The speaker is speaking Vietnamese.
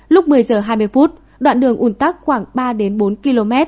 lúc một mươi h hai mươi phút đoạn đường ủn tắc khoảng ba đến bốn km